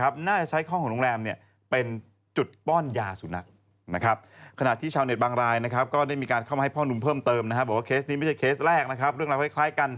บอกว่านักศึกษาแพทย์อ